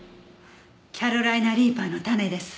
キャロライナ・リーパーの種です。